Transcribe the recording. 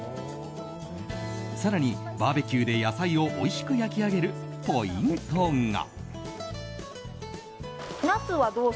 更にバーベキューで野菜をおいしく焼き上げるポイントが。